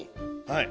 はい。